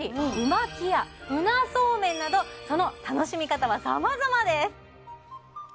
巻きやうなそうめんなどその楽しみ方は様々です